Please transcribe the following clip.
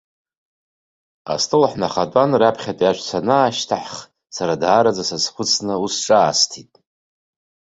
Астол ҳнахатәан, раԥхьатәи аҵәца анаашьҭаҳх, сара даараӡа сазхәыцны, ус ҿаасҭит.